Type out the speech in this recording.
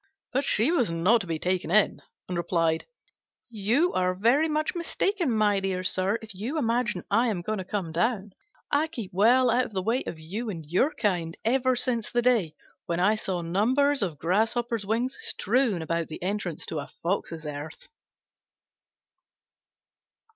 But she was not to be taken in, and replied, "You are very much mistaken, my dear sir, if you imagine I am going to come down: I keep well out of the way of you and your kind ever since the day when I saw numbers of grasshoppers' wings strewn about the entrance to a fox's earth."